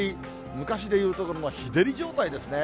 昔で言うところの日照り状態ですね。